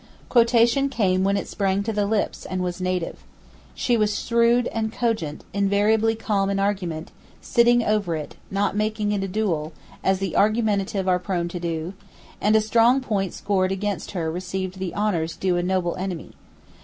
Quotation came when it sprang to the lips and was native. She was shrewd and cogent, invariably calm in argument, sitting over it, not making it a duel, as the argumentative are prone to do; and a strong point scored against her received the honours due to a noble enemy.